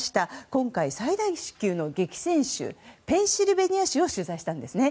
今回、最大級の激戦州ペンシルベニア州を取材したんですね。